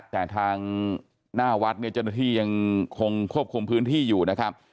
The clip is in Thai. แต่ทางหน้าวัดเนี่ยเจ้าหน้าที่ยังคงควบคุมพื้นที่อยู่นะครับ